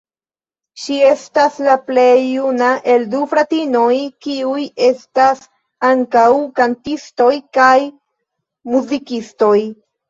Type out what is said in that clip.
Ŝi estas la plej juna el du fratinoj, kiuj estas ankaŭ kantistoj kaj muzikistoj.